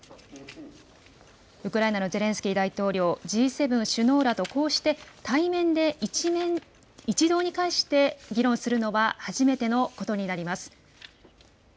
ウクライナのゼレンスキー大統領、Ｇ７首脳らとこうして対面で一堂に会して議論するのは初めてのことになります。